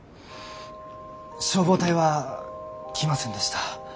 消防隊は来ませんでした。